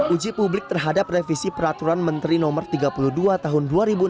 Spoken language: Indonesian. uji publik terhadap revisi peraturan menteri no tiga puluh dua tahun dua ribu enam belas